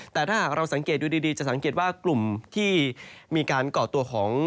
แต่ถ้าหากเราสังเกตดูดีจะสังเกตว่ากลุ่มที่มีการก่อตัวของ